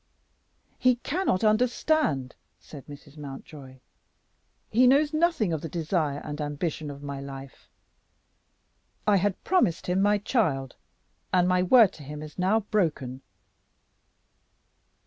"He cannot understand," said Mrs. Mountjoy; "he knows nothing of the desire and ambition of my life. I had promised him my child, and my word to him is now broken."